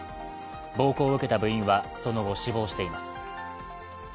暴行を受けた部員は、その後死亡しています。